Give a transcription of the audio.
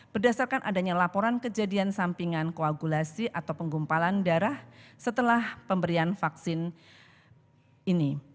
berdasarkan adanya laporan kejadian sampingan koagulasi atau penggumpalan darah setelah pemberian vaksin ini